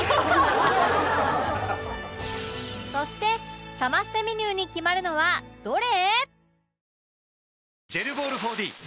そしてサマステメニューに決まるのはどれ？